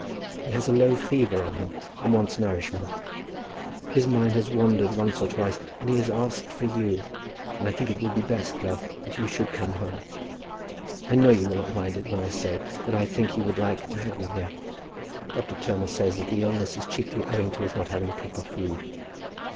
He has a low fever on him, and wants nourishment. His mind has wandered once or twice, and he has asked for you, and I think it will be best, love, that you should come home. I know you will not mind it when I say that I think he would like to have you here. Dr. Turner says that the illness is chiefly owing to his not having proper food."